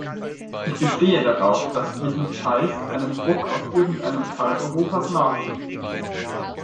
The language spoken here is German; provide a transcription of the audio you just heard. Ich bestehe darauf, dass dies nicht heißt, einem Druck aus irgendeinem Teil Europas nachzugeben.